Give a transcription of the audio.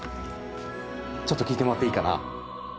ちょっと聞いてもらっていいかな。